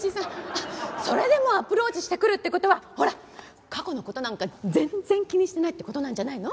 あっそれでもアプローチしてくるって事はほら過去の事なんか全然気にしてないって事なんじゃないの？